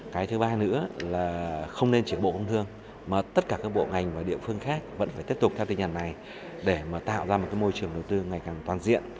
các bộ ngành và địa phương khác vẫn phải tiếp tục theo tình hình này để tạo ra một môi trường đầu tư ngày càng toàn diện